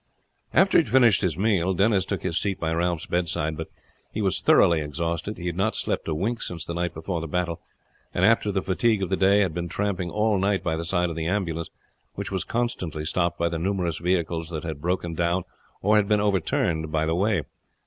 After he had finished his meal, Denis took his seat by Ralph's bedside; but he was thoroughly exhausted. He had not slept a wink since the night before the battle, and after the fatigue of the day had been tramping all night by the side of the ambulance, which was constantly stopped by the numerous vehicles that had broken down or been overturned by the way.